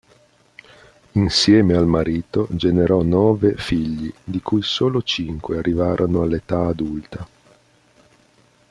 Insieme al marito generò nove figli, di cui solo cinque arrivarono all'età adulta.